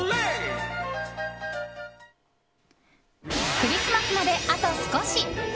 クリスマスまで、あと少し。